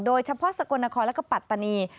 โดยเฉพาะสกลนครและปัตตนี